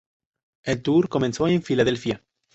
El tour comenzó en Filadelfia.